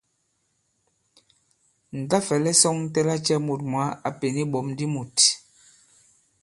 Ǹ ta-fɛ̀lɛ sɔ̄ŋtɛ lacɛ̄ mût mwǎ a pěn iɓɔ̀m di mût!